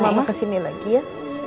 mama kesini lagi ya